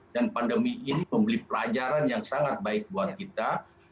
dan pandemi ini membeli pelajaran yang sangat baik buat kita